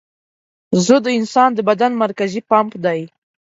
زړه د انسان د بدن مرکزي پمپ دی.